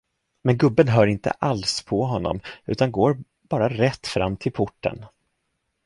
Men gubben hör inte alls på honom, utan går bara rätt fram till porten.